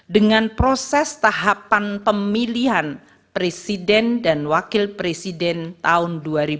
dengan proses tahapan pemilihan presiden dan wakil presiden tahun dua ribu dua puluh